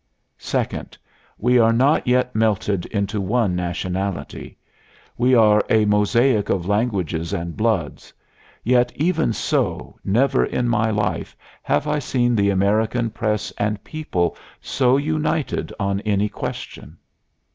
Second We are not yet melted into one nationality; we are a mosaic of languages and bloods; yet, even so, never in my life have I seen the American press and people so united on any question.